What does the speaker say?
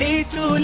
jadi diri lagi